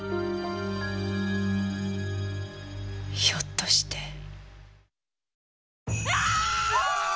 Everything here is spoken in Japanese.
ひょっとして。